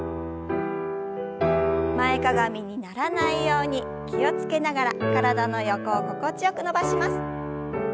前かがみにならないように気を付けながら体の横を心地よく伸ばします。